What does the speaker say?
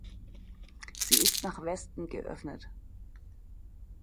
Sie ist nach Westen geöffnet.